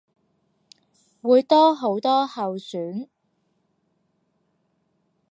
會多好多候選